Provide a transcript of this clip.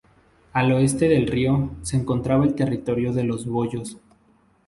Al oeste del río, se encontraba el territorio de los Boyos.